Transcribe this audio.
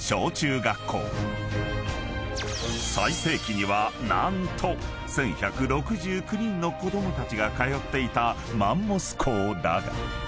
［最盛期には何と１，１６９人の子供たちが通っていたマンモス校だが］